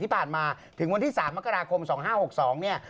ที่ผ่านมาถึงวันที่๓มกราคม๒๕๖๒เนี่ย